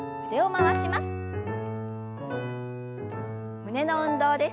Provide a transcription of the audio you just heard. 胸の運動です。